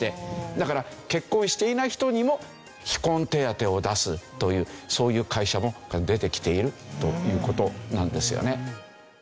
だから結婚していない人にも非婚手当を出すというそういう会社も出てきているという事なんですよね。